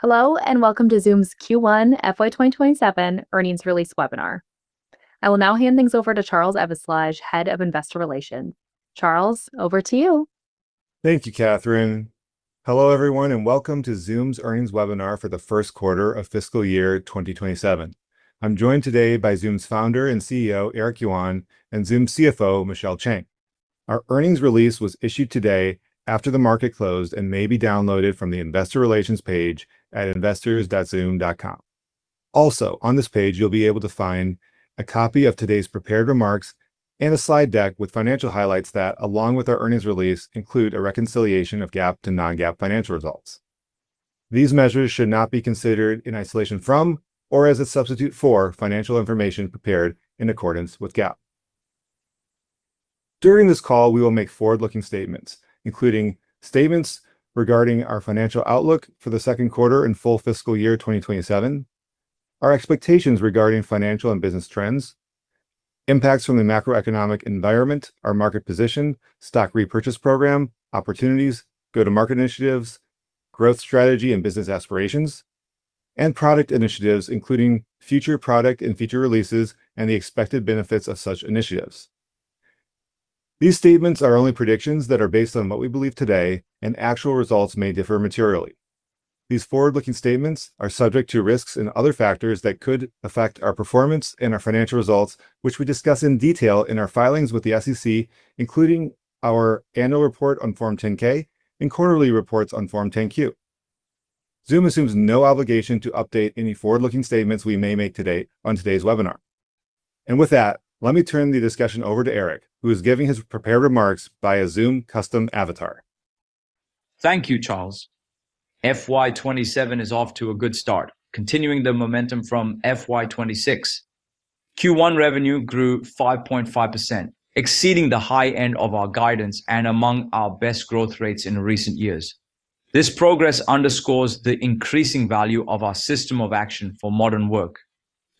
Hello, welcome to Zoom's Q1 FY 2027 earnings release webinar. I will now hand things over to Charles Eveslage, Head of Investor Relations. Charles, over to you. Thank you, Catherine. Hello, everyone, and welcome to Zoom's earnings webinar for the first quarter of fiscal year 2027. I'm joined today by Zoom's founder and CEO, Eric Yuan, and Zoom's CFO, Michelle Chang. Our earnings release was issued today after the market closed and may be downloaded from the investor relations page at investors.zoom.com. Also on this page, you'll be able to find a copy of today's prepared remarks and a slide deck with financial highlights that, along with our earnings release, include a reconciliation of GAAP to non-GAAP financial results. These measures should not be considered in isolation from or as a substitute for financial information prepared in accordance with GAAP. During this call, we will make forward-looking statements, including statements regarding our financial outlook for the second quarter and full fiscal year 2027, our expectations regarding financial and business trends, impacts from the macroeconomic environment, our market position, stock repurchase program, opportunities, go-to-market initiatives, growth strategy, and business aspirations, and product initiatives, including future product and feature releases, and the expected benefits of such initiatives. These statements are only predictions that are based on what we believe today, and actual results may differ materially. These forward-looking statements are subject to risks and other factors that could affect our performance and our financial results, which we discuss in detail in our filings with the SEC, including our annual report on Form 10-K and quarterly reports on Form 10-Q. Zoom assumes no obligation to update any forward-looking statements we may make today on today's webinar. With that, let me turn the discussion over to Eric, who is giving his prepared remarks via Zoom custom avatar. Thank you, Charles. FY 2027 is off to a good start, continuing the momentum from FY 2026. Q1 revenue grew 5.5%, exceeding the high end of our guidance and among our best growth rates in recent years. This progress underscores the increasing value of our system of action for modern work.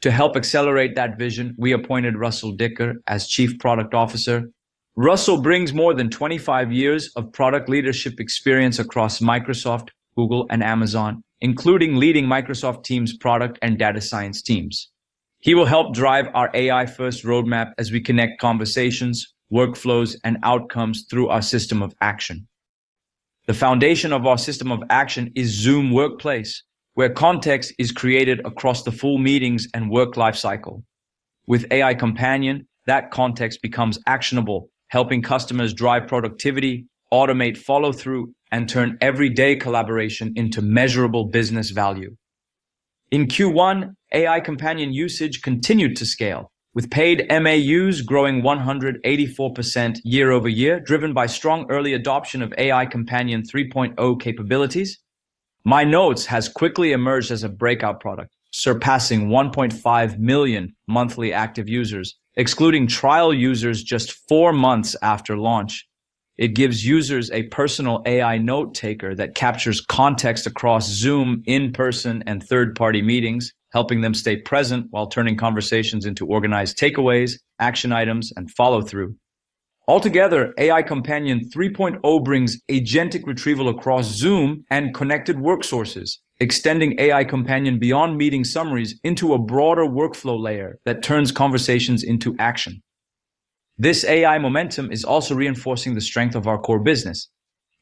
To help accelerate that vision, we appointed Russell Dicker as Chief Product Officer. Russell brings more than 25 years of product leadership experience across Microsoft, Google, and Amazon, including leading Microsoft Teams product and data science teams. He will help drive our AI-first roadmap as we connect conversations, workflows, and outcomes through our system of action. The foundation of our system of action is Zoom Workplace, where context is created across the full meetings and work life cycle. With AI Companion, that context becomes actionable, helping customers drive productivity, automate follow-through, and turn everyday collaboration into measurable business value. In Q1, AI Companion usage continued to scale, with paid MAUs growing 184% year-over-year, driven by strong early adoption of AI Companion 3.0 capabilities. My Notes has quickly emerged as a breakout product, surpassing 1.5 million monthly active users, excluding trial users just four months after launch. It gives users a personal AI note-taker that captures context across Zoom, in-person, and third-party meetings, helping them stay present while turning conversations into organized takeaways, action items, and follow-through. Altogether, AI Companion 3.0 brings agentic retrieval across Zoom and connected work sources, extending AI Companion beyond meeting summaries into a broader workflow layer that turns conversations into action. This AI momentum is also reinforcing the strength of our core business.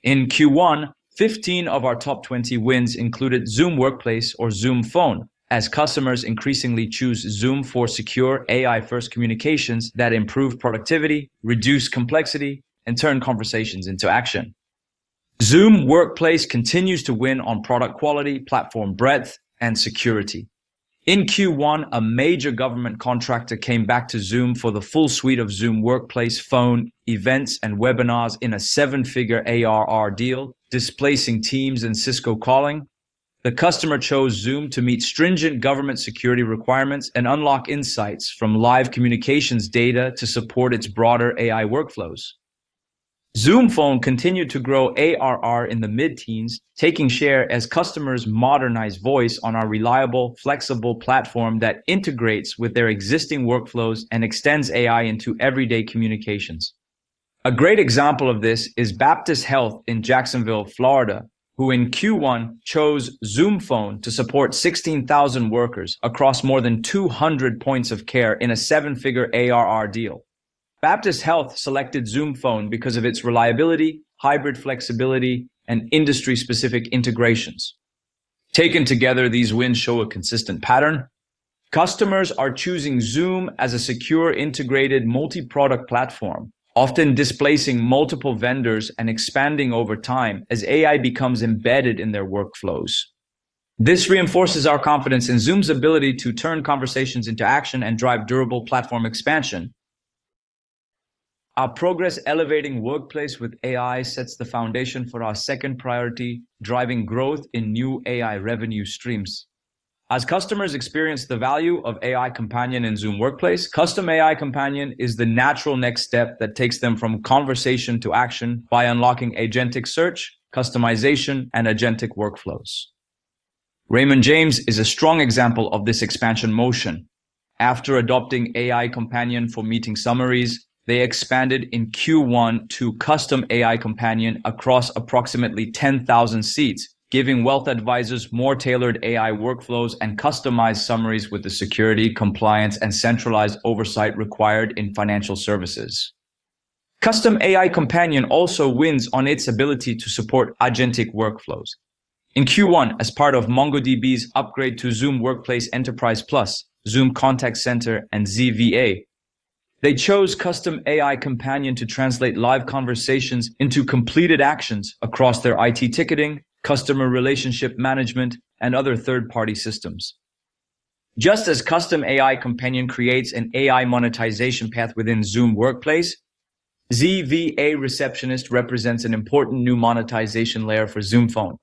In Q1, 15 of our top 20 wins included Zoom Workplace or Zoom phone, as customers increasingly choose Zoom for secure AI-first communications that improve productivity, reduce complexity, and turn conversations into action. Zoom Workplace continues to win on product quality, platform breadth, and security. In Q1, a major government contractor came back to Zoom for the full suite of Zoom Workplace phone events and webinars in a seven-figure ARR deal, displacing Teams and Cisco calling. The customer chose Zoom to meet stringent government security requirements and unlock insights from live communications data to support its broader AI workflows. Zoom phone continued to grow ARR in the mid-teens, taking share as customers modernize voice on our reliable, flexible platform that integrates with their existing workflows and extends AI into everyday communications. A great example of this is Baptist Health in Jacksonville, Florida, who in Q1 chose Zoom phone to support 16,000 workers across more than 200 points of care in a seven-figure ARR deal. Baptist Health selected Zoom phone because of its reliability, hybrid flexibility, and industry-specific integrations. Taken together, these wins show a consistent pattern. Customers are choosing Zoom as a secure, integrated multi-product platform, often displacing multiple vendors and expanding over time as AI becomes embedded in their workflows. This reinforces our confidence in Zoom's ability to turn conversations into action and drive durable platform expansion. Our progress elevating the workplace with AI sets the foundation for our second priority, driving growth in new AI revenue streams. As customers experience the value of AI Companion in Zoom Workplace, Custom AI Companion is the natural next step that takes them from conversation to action by unlocking agentic search, customization, and agentic workflows. Raymond James is a strong example of this expansion motion. After adopting AI Companion for meeting summaries, they expanded in Q1 to Custom AI Companion across approximately 10,000 seats, giving wealth advisors more tailored AI workflows and customized summaries with the security, compliance, and centralized oversight required in financial services. Custom AI Companion also wins on its ability to support agentic workflows. In Q1, as part of MongoDB's upgrade to Zoom Workplace Enterprise Plus, Zoom contact center, and ZVA, they chose Custom AI Companion to translate live conversations into completed actions across their IT ticketing, customer relationship management, and other third-party systems. Just as Custom AI Companion creates an AI monetization path within Zoom Workplace, ZVA Receptionist represents an important new monetization layer for Zoom phone.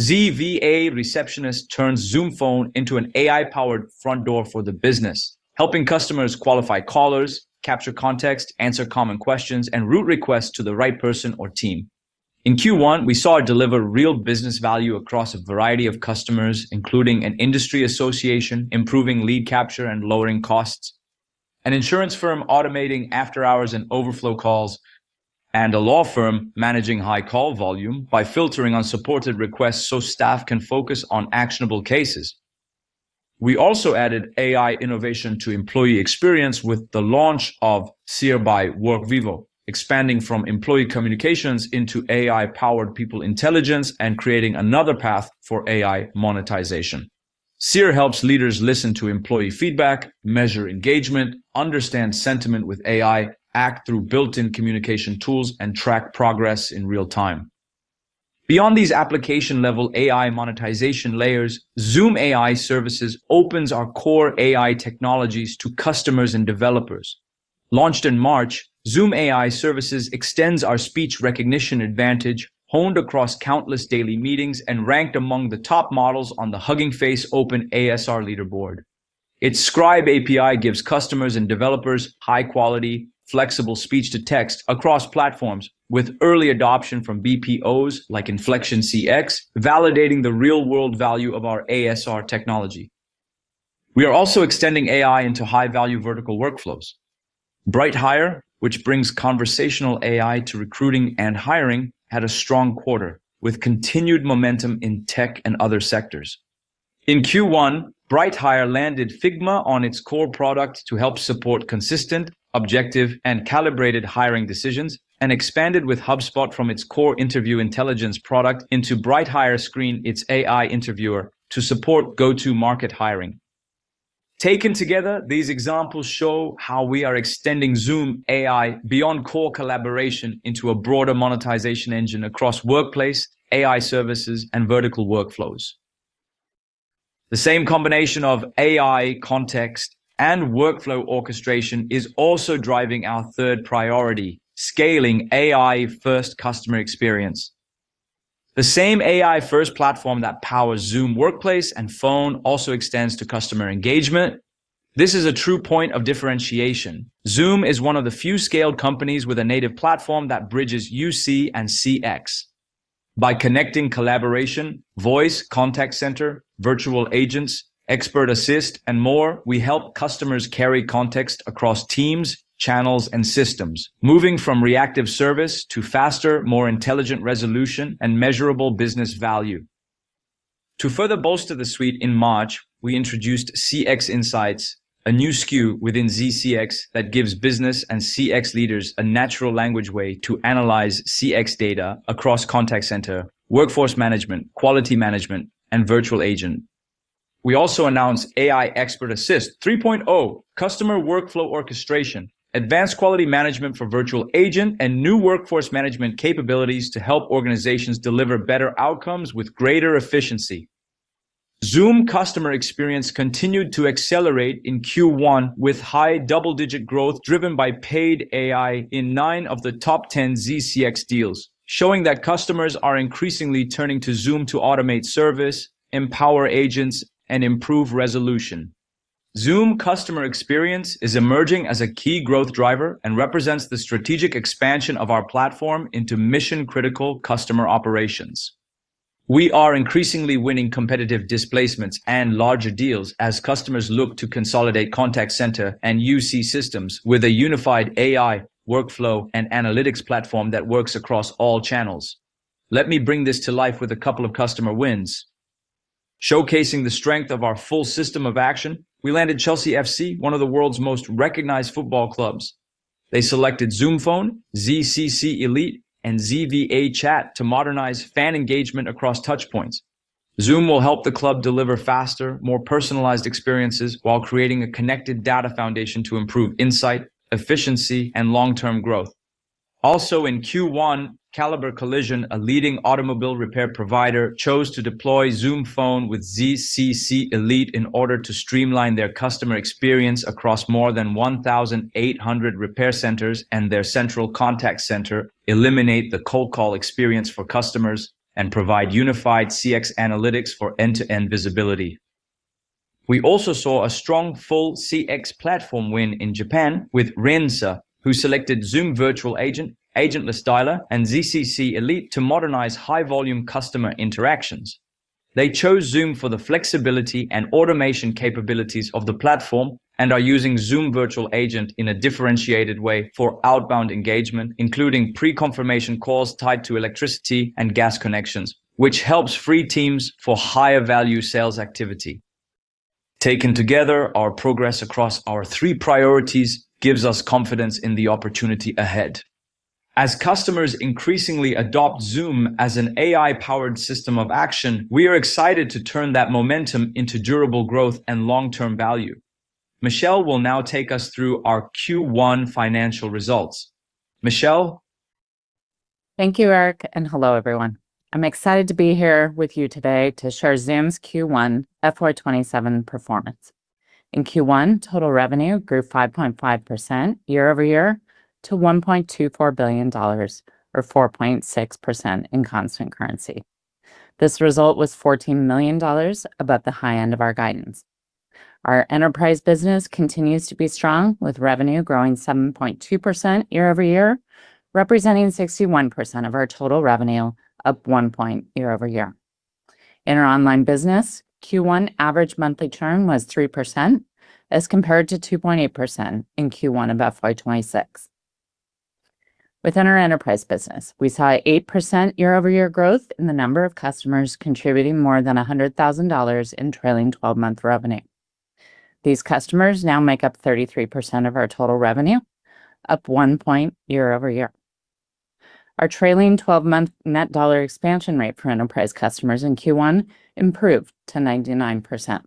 ZVA Receptionist turns Zoom phone into an AI-powered front door for the business, helping customers qualify callers, capture context, answer common questions, and route requests to the right person or team. In Q1, we saw it deliver real business value across a variety of customers, including an industry association improving lead capture and lowering costs, an insurance firm automating after-hours and overflow calls, and a law firm managing high call volume by filtering unsupported requests so staff can focus on actionable cases. We also added AI innovation to employee experience with the launch of Seer by Workvivo, expanding from employee communications into AI-powered people intelligence and creating another path for AI monetization. Seer helps leaders listen to employee feedback, measure engagement, understand sentiment with AI, act through built-in communication tools, and track progress in real time. Beyond these application-level AI monetization layers, Zoom AI Services opens our core AI technologies to customers and developers. Launched in March, Zoom AI Services extends our speech recognition advantage, honed across countless daily meetings and ranked among the top models on the Hugging Face open ASR leaderboard. Its Scribe API gives customers and developers high-quality, flexible speech-to-text across platforms with early adoption from BPOs like InflectionCX, validating the real-world value of our ASR technology. We are also extending AI into high-value vertical workflows. BrightHire, which brings conversational AI to recruiting and hiring, had a strong quarter with continued momentum in tech and other sectors. In Q1, BrightHire landed Figma on its core product to help support consistent, objective, and calibrated hiring decisions, and expanded with HubSpot from its core interview intelligence product into BrightHire Screen, its AI interviewer, to support go-to-market hiring. Taken together, these examples show how we are extending Zoom AI beyond core collaboration into a broader monetization engine across workplace, AI services, and vertical workflows. The same combination of AI context and workflow orchestration is also driving our third priority, scaling AI-first customer experience. The same AI-first platform that powers Zoom Workplace and phone also extends to customer engagement. This is a true point of differentiation. Zoom is one of the few scaled companies with a native platform that bridges UC and CX. By connecting collaboration, voice, contact center, Virtual Agent, Expert Assist, and more, we help customers carry context across teams, channels, and systems, moving from reactive service to faster, more intelligent resolution, and measurable business value. To further bolster the suite, in March, we introduced CX Insights, a new SKU within ZCX that gives business and CX leaders a natural language way to analyze CX data across contact center, workforce management, quality management, and Virtual Agent. We also announced AI Expert Assist 3.0, customer workflow orchestration, advanced quality management for Virtual Agent, and new workforce management capabilities to help organizations deliver better outcomes with greater efficiency. Zoom Customer Experience continued to accelerate in Q1 with high double-digit growth driven by paid AI in nine of the top 10 ZCX deals, showing that customers are increasingly turning to Zoom to automate service, empower agents, and improve resolution. Zoom Customer Experience is emerging as a key growth driver and represents the strategic expansion of our platform into mission-critical customer operations. We are increasingly winning competitive displacements and larger deals as customers look to consolidate contact center and UC systems with a unified AI workflow and analytics platform that works across all channels. Let me bring this to life with a couple of customer wins. Showcasing the strength of our full system of action, we landed Chelsea FC, one of the world's most recognized football clubs. They selected Zoom phone, ZCC Elite, and ZVA Chat to modernize fan engagement across touchpoints. Zoom will help the club deliver faster, more personalized experiences while creating a connected data foundation to improve insight, efficiency, and long-term growth. Also in Q1, Caliber Collision, a leading automobile repair provider, chose to deploy Zoom phone with ZCC Elite in order to streamline their customer experience across more than 1,800 repair centers and their central contact center, eliminate the cold call experience for customers, and provide unified CX analytics for end-to-end visibility. We also saw a strong full CX platform win in Japan with Resona, who selected Zoom Virtual Agent, Agentless Dialer, and ZCC Elite to modernize high-volume customer interactions. They chose Zoom for the flexibility and automation capabilities of the platform and are using Zoom Virtual Agent in a differentiated way for outbound engagement, including pre-confirmation calls tied to electricity and gas connections, which helps free teams for higher value sales activity. Taken together, our progress across our three priorities gives us confidence in the opportunity ahead. As customers increasingly adopt Zoom as an AI-powered system of action, we are excited to turn that momentum into durable growth and long-term value. Michelle will now take us through our Q1 financial results. Michelle? Thank you, Eric. Hello, everyone. I'm excited to be here with you today to share Zoom's Q1 FY 2027 performance. In Q1, total revenue grew 5.5% year-over-year to $1.24 billion, or 4.6% in constant currency. This result was $14 million above the high end of our guidance. Our enterprise business continues to be strong, with revenue growing 7.2% year-over-year, representing 61% of our total revenue, up one point year-over-year. In our online business, Q1 average monthly churn was 3%, as compared to 2.8% in Q1 of FY 2026. Within our enterprise business, we saw 8% year-over-year growth in the number of customers contributing more than $100,000 in trailing 12-month revenue. These customers now make up 33% of our total revenue, up one point year-over-year. Our trailing 12-month net dollar expansion rate for enterprise customers in Q1 improved to 99%.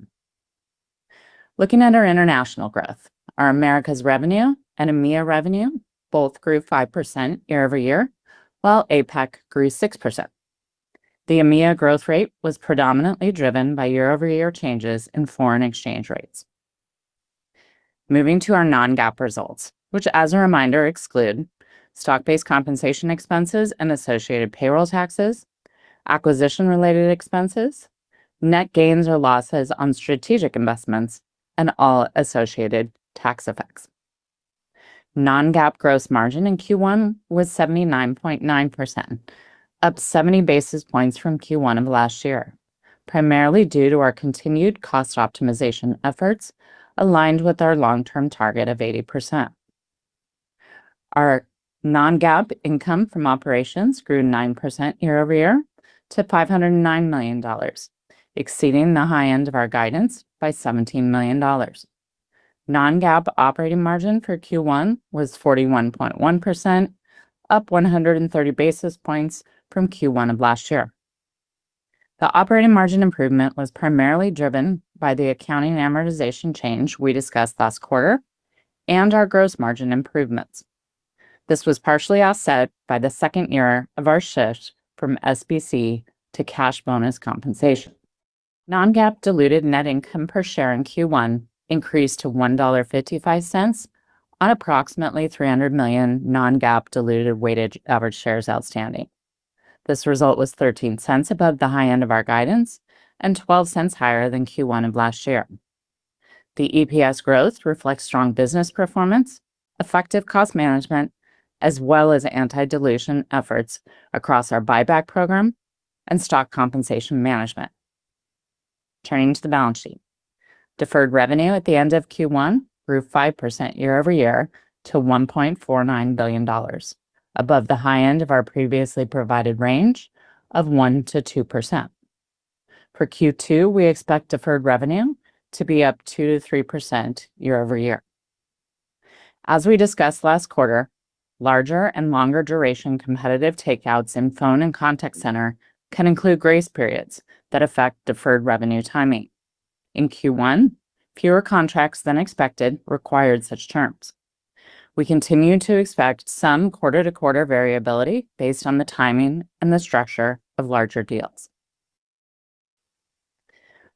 Looking at our international growth, our Americas revenue and EMEA revenue both grew 5% year-over-year, while APAC grew 6%. The EMEA growth rate was predominantly driven by year-over-year changes in foreign exchange rates. Moving to our non-GAAP results, which as a reminder exclude stock-based compensation expenses and associated payroll taxes, acquisition-related expenses, net gains or losses on strategic investments, and all associated tax effects. Non-GAAP gross margin in Q1 was 79.9%, up 70 basis points from Q1 of last year, primarily due to our continued cost optimization efforts aligned with our long-term target of 80%. Our non-GAAP income from operations grew 9% year-over-year to $509 million, exceeding the high end of our guidance by $17 million. Non-GAAP operating margin for Q1 was 41.1%, up 130 basis points from Q1 of last year. The operating margin improvement was primarily driven by the accounting amortization change we discussed last quarter and our gross margin improvements. This was partially offset by the second year of our shift from SBC to cash bonus compensation. Non-GAAP diluted net income per share in Q1 increased to $1.55 on approximately 300 million non-GAAP diluted weighted average shares outstanding. This result was $0.13 above the high end of our guidance and $0.12 higher than Q1 of last year. The EPS growth reflects strong business performance, effective cost management, as well as anti-dilution efforts across our buyback program and stock compensation management. Turning to the balance sheet. Deferred revenue at the end of Q1 grew 5% year-over-year to $1.49 billion, above the high end of our previously provided range of 1%-2%. For Q2, we expect deferred revenue to be up 2%-3% year-over-year. As we discussed last quarter, larger and longer duration competitive takeouts in phone and contact center can include grace periods that affect deferred revenue timing. In Q1, fewer contracts than expected required such terms. We continue to expect some quarter-to-quarter variability based on the timing and the structure of larger deals.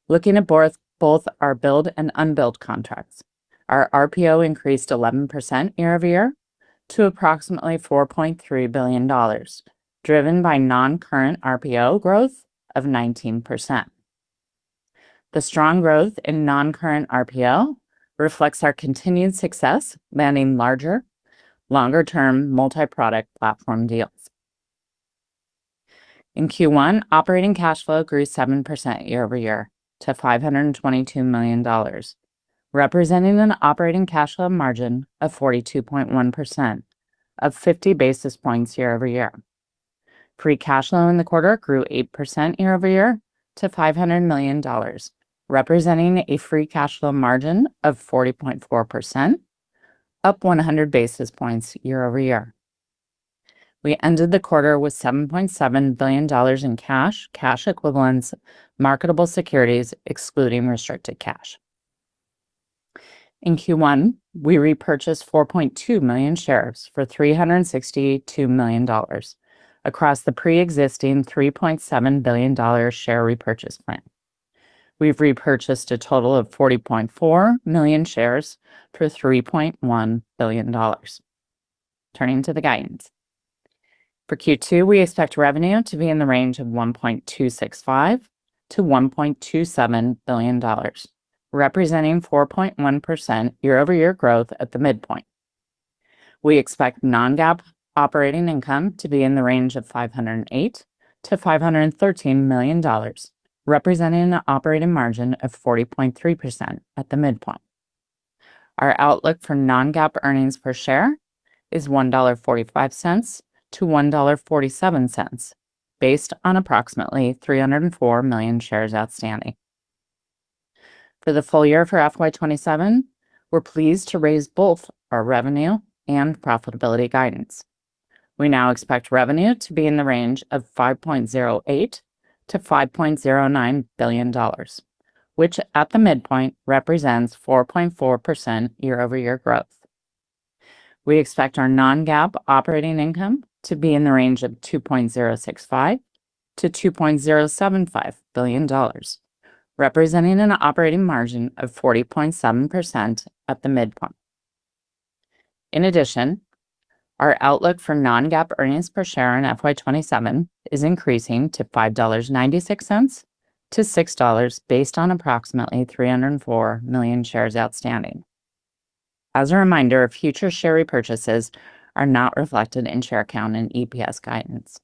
Looking at both our billed and unbilled contracts, our RPO increased 11% year-over-year to approximately $4.3 billion, driven by non-current RPO growth of 19%. The strong growth in non-current RPO reflects our continued success landing larger, longer-term multi-product platform deals. In Q1, operating cash flow grew 7% year-over-year to $522 million, representing an operating cash flow margin of 42.1%, up 50 basis points year-over-year. Free cash flow in the quarter grew 8% year-over-year to $500 million, representing a free cash flow margin of 40.4%, up 100 basis points year-over-year. We ended the quarter with $7.7 billion in cash equivalents, marketable securities excluding restricted cash. In Q1, we repurchased 4.2 million shares for $362 million across the preexisting $3.7 billion share repurchase plan. We've repurchased a total of 40.4 million shares for $3.1 billion. Turning to the guidance. For Q2, we expect revenue to be in the range of $1.265 billion-$1.27 billion, representing 4.1% year-over-year growth at the midpoint. We expect non-GAAP operating income to be in the range of $508 million-$513 million, representing an operating margin of 40.3% at the midpoint. Our outlook for non-GAAP earnings per share is $1.45-$1.47, based on approximately 304 million shares outstanding. For the full year for FY 2027, we're pleased to raise both our revenue and profitability guidance. We now expect revenue to be in the range of $5.08 billion-$5.09 billion, which at the midpoint represents 4.4% year-over-year growth. We expect our non-GAAP operating income to be in the range of $2.065 billion-$2.075 billion, representing an operating margin of 40.7% at the midpoint. In addition, our outlook for non-GAAP earnings per share in FY 2027 is increasing to $5.96-$6 based on approximately 304 million shares outstanding. As a reminder, future share repurchases are not reflected in share count and EPS guidance.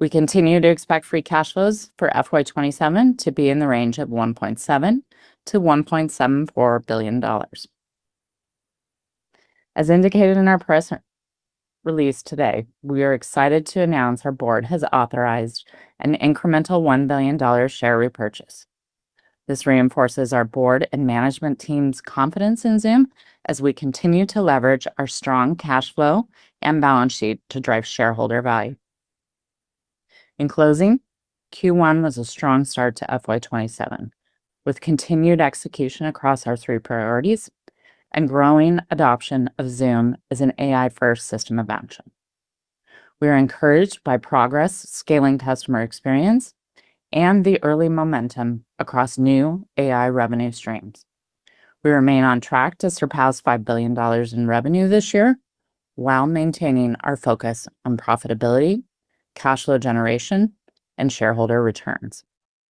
We continue to expect free cash flows for FY 2027 to be in the range of $1.7 billion-$1.74 billion. As indicated in our press release today, we are excited to announce our board has authorized an incremental $1 billion share repurchase. This reinforces our board and management team's confidence in Zoom as we continue to leverage our strong cash flow and balance sheet to drive shareholder value. In closing, Q1 was a strong start to FY 2027, with continued execution across our three priorities and growing adoption of Zoom as an AI-first system of action. We are encouraged by progress scaling customer experience and the early momentum across new AI revenue streams. We remain on track to surpass $5 billion in revenue this year while maintaining our focus on profitability, cash flow generation, and shareholder returns.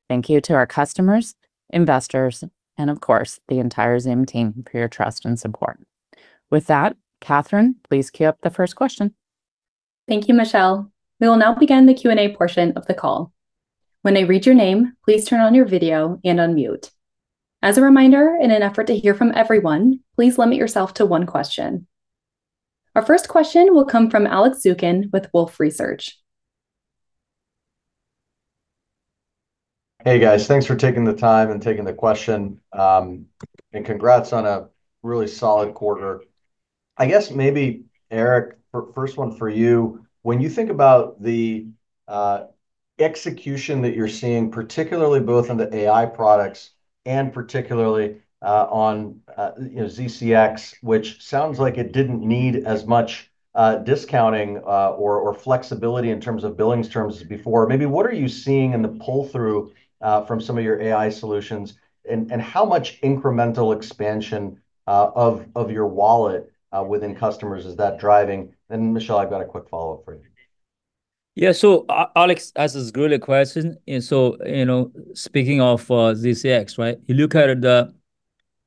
Thank you to our customers, investors, and of course, the entire Zoom team, for your trust and support. With that, Catherine, please queue up the first question. Thank you, Michelle. We will now begin the Q&A portion of the call. When I read your name, please turn on your video and unmute. As a reminder, in an effort to hear from everyone, please limit yourself to one question. Our first question will come from Alex Zukin with Wolfe Research. Hey, guys. Thanks for taking the time and taking the question. Congrats on a really solid quarter. I guess maybe, Eric, first one for you. When you think about the execution that you're seeing, particularly both on the AI products and particularly on, you know, ZCX, which sounds like it didn't need as much discounting or flexibility in terms of billings terms as before. Maybe what are you seeing in the pull-through from some of your AI solutions? How much incremental expansion of your wallet within customers is that driving? Michelle, I've got a quick follow-up for you. Alex asks a really good question. you know, speaking of ZCX, right? You look at the,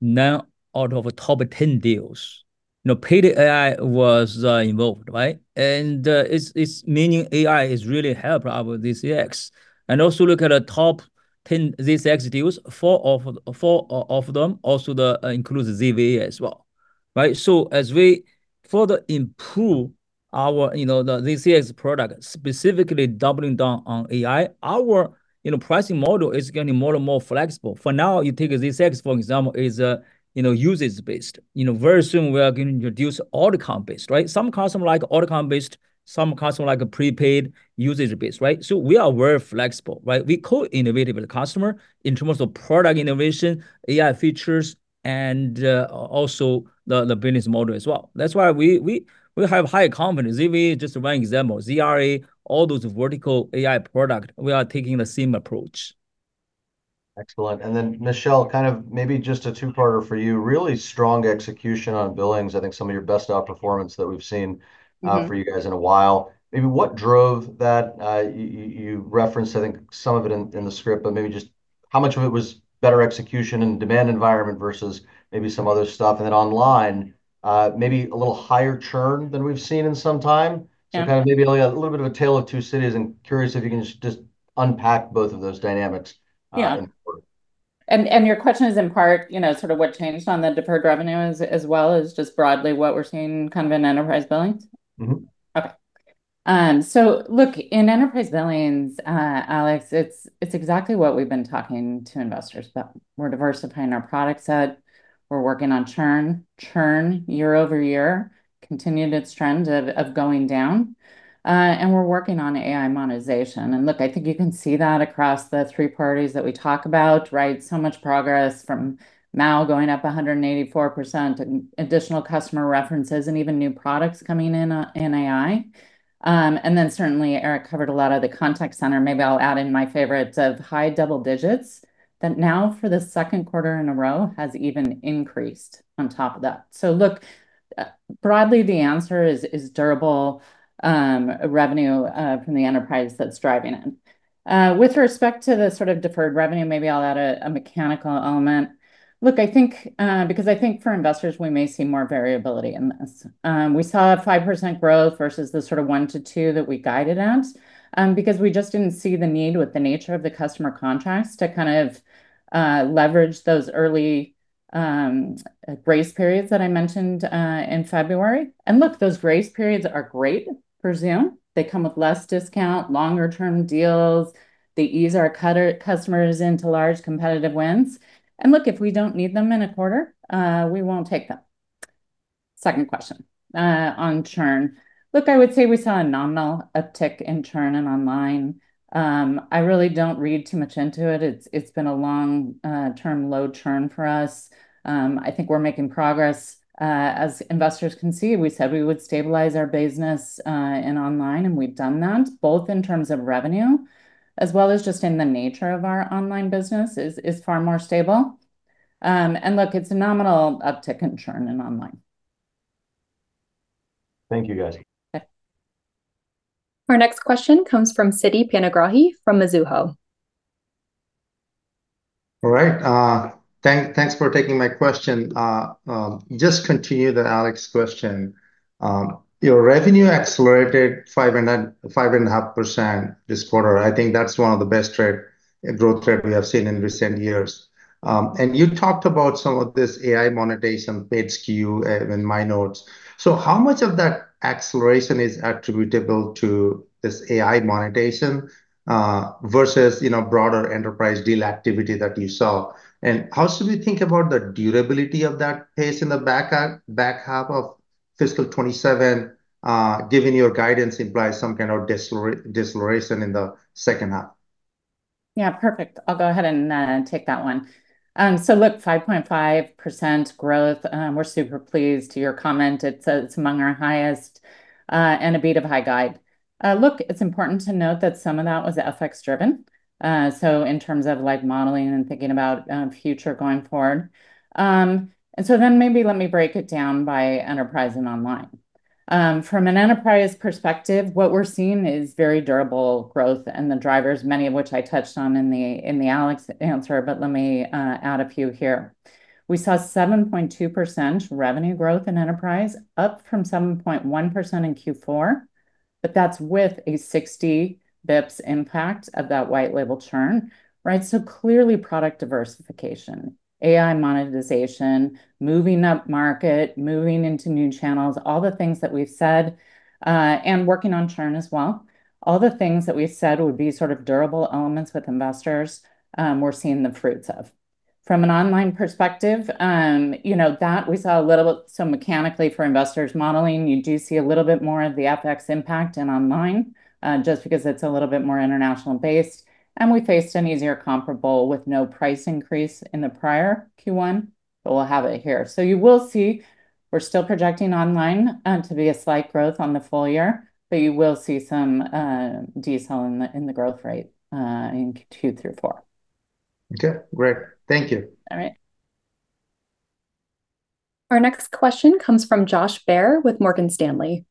now out of top 10 deals, you know, paid AI was involved, right? it's meaning AI is really help our ZCX. Look at the top 10 ZCX deals. Four of them also the includes ZVA as well, right? As we further improve our, you know, the ZCX product, specifically doubling down on AI, our, you know, pricing model is getting more and more flexible. For now, you take a ZCX, for example, is, you know, usage-based. You know, very soon we are going to introduce outcome-based, right? Some customer like outcome-based, some customer like a prepaid usage-based, right? We are very flexible, right? We co-innovate with the customer in terms of product innovation, AI features, and also the business model as well. That's why we have high confidence. ZVA is just one example. ZVA, all those vertical AI product, we are taking the same approach. Excellent. Michelle, kind of maybe just a two-parter for you. Really strong execution on billings. I think some of your best outperformance that we've seen. For you guys in a while. Maybe what drove that? You referenced, I think, some of it in the script, but maybe just how much of it was better execution and demand environment versus maybe some other stuff? Online, maybe a little higher churn than we've seen in some time. Yeah. kind of maybe a little bit of a Tale of Two Cities. I'm curious if you can just unpack both of those dynamics. Yeah in order. Your question is in part, you know, sort of what changed on the deferred revenue as well as just broadly what we're seeing kind of in enterprise billings? Okay. Look, in enterprise billings, Alex, it's exactly what we've been talking to investors about. We're diversifying our product set. We're working on churn. Churn year-over-year continued its trend of going down. We're working on AI monetization. Look, I think you can see that across the three parties that we talk about, right? Much progress from MAU going up 184% and additional customer references and even new products coming in in AI. Certainly Eric covered a lot of the contact center. Maybe I'll add in my favorite of high double digits that now for the second quarter in a row has even increased on top of that. Look, broadly, the answer is durable revenue from the enterprise that's driving it. With respect to the sort of deferred revenue, maybe I'll add a mechanical element. Look, because I think for investors, we may see more variability in this. We saw a 5% growth versus the sort of 1% to 2% that we guided at, because we just didn't see the need with the nature of the customer contracts to kind of leverage those early grace periods that I mentioned in February. Look, those grace periods are great for Zoom. They come with less discount, longer term deals. They ease our customers into large competitive wins. Look, if we don't need them in a quarter, we won't take them. Second question on churn. Look, I would say we saw a nominal uptick in churn in online. I really don't read too much into it. It's been a long-term low churn for us. I think we're making progress. As investors can see, we said we would stabilize our business in online, and we've done that, both in terms of revenue as well as just in the nature of our online business is far more stable. Look, it's a nominal uptick in churn in online. Thank you, guys. Okay. Our next question comes from Siti Panigrahi from Mizuho. All right. Thanks for taking my question. Just continue the Alex question. Your revenue accelerated 5.5% this quarter. I think that's one of the best growth rate we have seen in recent years. You talked about some of this AI monetization pitch queue in my notes. How much of that acceleration is attributable to this AI monetization versus broader enterprise deal activity that you saw? How should we think about the durability of that pace in the back half of fiscal 2027, given your guidance implies some kind of deceleration in the second half? Yeah. Perfect. I'll go ahead and take that one. Look, 5.5% growth. We're super pleased to your comment. It's among our highest and a beat of high guide. Look, it's important to note that some of that was FX driven. In terms of modeling and thinking about future going forward. Maybe let me break it down by enterprise and online. From an enterprise perspective, what we're seeing is very durable growth and the drivers, many of which I touched on in the Alex answer, but let me add a few here. We saw 7.2% revenue growth in enterprise, up from 7.1% in Q4, but that's with a 60 basis points impact of that white label churn, right? Clearly product diversification, AI monetization, moving up market, moving into new channels, all the things that we've said, and working on churn as well. All the things that we've said would be sort of durable elements with investors, we're seeing the fruits of. From an online perspective, we saw a little bit. Mechanically for investors modeling, you do see a little bit more of the FX impact in online, just because it's a little bit more international based, and we faced an easier comparable with no price increase in the prior Q1, but we'll have it here. You will see we're still projecting online to be a slight growth on the full year, but you will see some decel in the growth rate in Q2 through Q4. Okay, great. Thank you. All right. Our next question comes from Josh Baer with Morgan Stanley.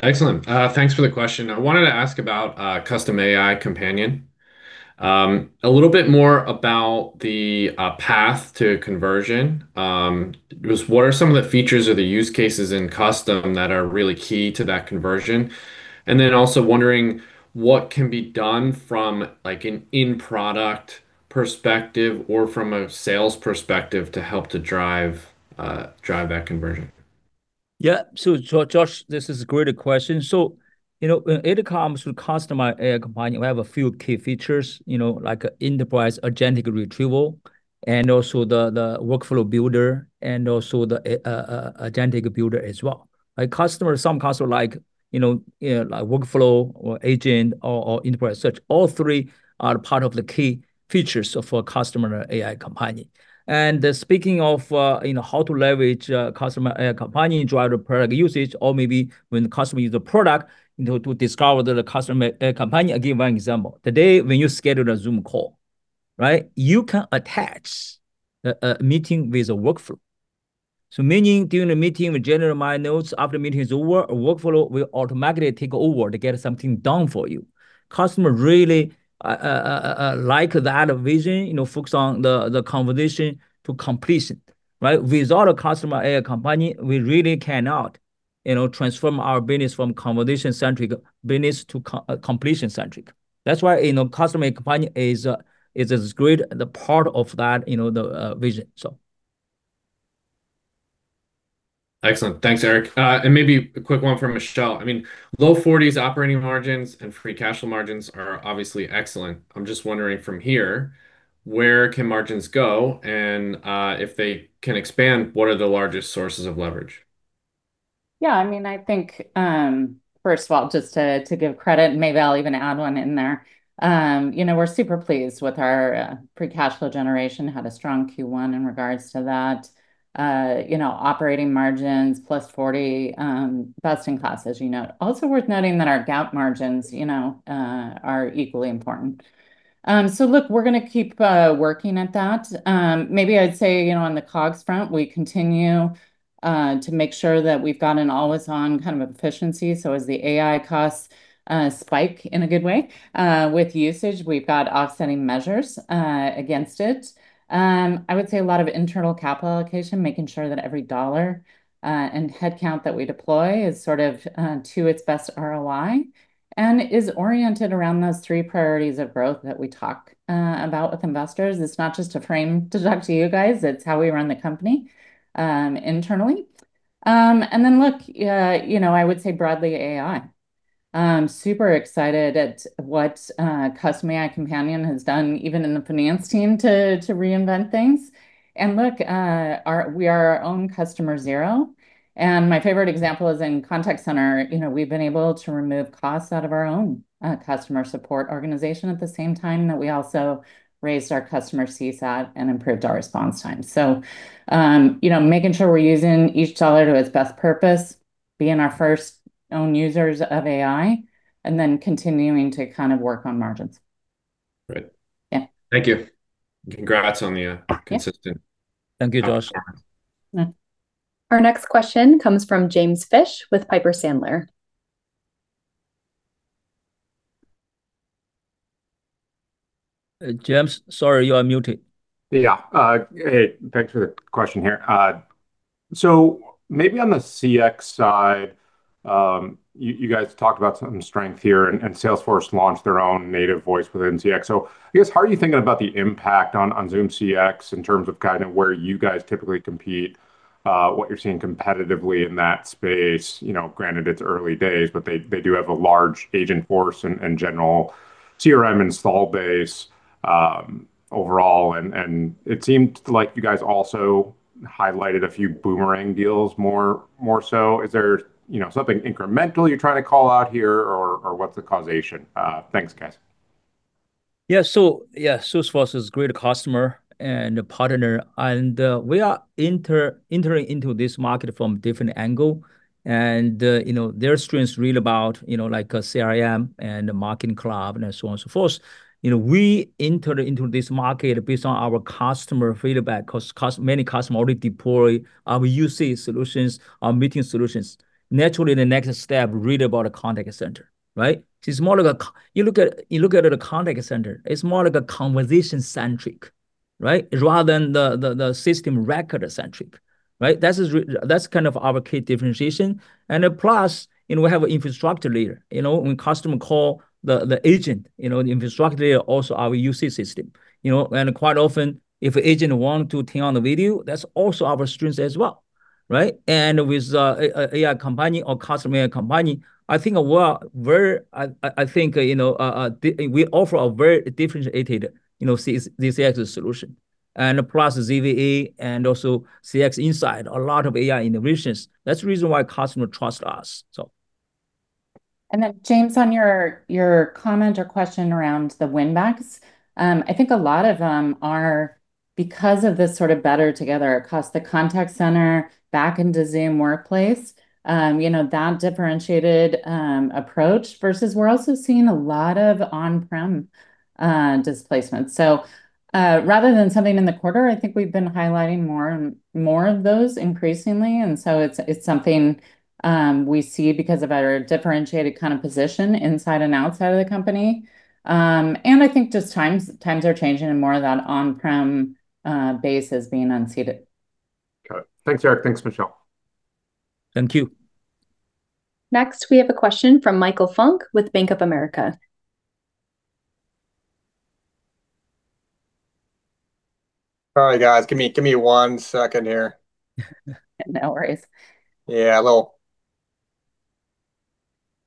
Excellent. Thanks for the question. I wanted to ask about Custom AI Companion. A little bit more about the path to conversion. Just what are some of the features or the use cases in Custom that are really key to that conversion? Also wondering what can be done from an in-product perspective or from a sales perspective to help to drive that conversion. Yeah. Josh, this is a great question. When it comes to Custom AI Companion, we have a few key features like enterprise agent retrieval, and also the workflow builder, and also the agentic builder as well. Some customer like workflow or agent or enterprise search. All three are part of the key features for Custom AI Companion. Speaking of how to leverage Custom AI Companion-driven product usage or maybe when the customer use the product to discover the Custom AI Companion, I'll give one example. Today, when you schedule a Zoom call, right, you can attach a meeting with a workflow. Meaning during the meeting, we generate My Notes. After the meeting is over, a workflow will automatically take over to get something done for you. Customer really like that vision, focus on the conversation to completion, right? Without a customer AI Companion, we really cannot transform our business from conversation-centric business to completion-centric. That's why customer AI Companion is as great the part of that vision. Excellent. Thanks, Eric. Maybe a quick one for Michelle. I mean, low 40s operating margins and free cash flow margins are obviously excellent. I'm just wondering from here, where can margins go and, if they can expand, what are the largest sources of leverage? I think, first of all, just to give credit, maybe I'll even add one in there. We're super pleased with our free cash flow generation, had a strong Q1 in regards to that. Operating margins +40, best in class as you know. Also worth noting that our GAAP margins are equally important. Look, we're going to keep working at that. Maybe I'd say, on the COGS front, we continue to make sure that we've got an always-on kind of efficiency, so as the AI costs spike in a good way with usage, we've got offsetting measures against it. I would say a lot of internal capital allocation, making sure that every dollar and head count that we deploy is sort of to its best ROI, and is oriented around those three priorities of growth that we talk about with investors. It's not just a frame to talk to you guys, it's how we run the company internally. Look, I would say broadly AI. I'm super excited at what Custom AI Companion has done, even in the finance team, to reinvent things. Look, we are our own customer zero, and my favorite example is in contact center. We've been able to remove costs out of our own customer support organization at the same time that we also raised our customer CSAT and improved our response time. Making sure we're using each dollar to its best purpose, being our first own users of AI, and then continuing to kind of work on margins. Great. Yeah. Thank you. Congrats on the consistent- Thank you, Josh. performance. Yeah. Our next question comes from James Fish with Piper Sandler. James, sorry, you are muted. Yeah. Hey, thanks for the question here. Maybe on the CX side, you guys talked about some strength here, and Salesforce launched their own native voice within CX. I guess, how are you thinking about the impact on Zoom CX in terms of kind of where you guys typically compete, what you're seeing competitively in that space? Granted, it's early days, but they do have a large agent force and general CRM install base overall, and it seemed like you guys also highlighted a few boomerang deals more so. Is there something incremental you're trying to call out here, or what's the causation? Thanks, guys. Yes. Yes, Salesforce is a great customer and a partner, We are entering into this market from different angle. Their strengths really about CRM, and the marketing cloud, and so on and so forth. We entered into this market based on our customer feedback. Many customers already deploy our UC solutions, our meeting solutions. Naturally, the next step, really about a contact center, right? You look at a contact center, it's more like a conversation centric, right? Rather than the system of record centric, right? That's kind of our key differentiation. Plus, we have an infrastructure layer. When customers call the agent, the infrastructure layer also our UC system. Quite often, if an agent wants to turn on the video, that's also our strength as well, right? With AI Companion or Custom AI Companion, I think we offer a very differentiated CX solution. Plus ZVA, and also CX Insights, a lot of AI integrations. That's the reason why customer trust us. Then James, on your comment or question around the win backs. I think a lot of them are because of this sort of better together across the contact center back into Zoom Workplace. That differentiated approach versus we're also seeing a lot of on-prem displacement. Rather than something in the quarter, I think we've been highlighting more and more of those increasingly. It's something we see because of our differentiated kind of position inside and outside of the company. I think just times are changing, and more of that on-prem base is being unseated. Got it. Thanks, Eric. Thanks, Michelle. Thank you. Next, we have a question from Michael Funk with Bank of America. Sorry, guys. Give me one second here. No worries. Yeah, a little.